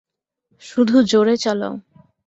শুধু জোরে চালাও।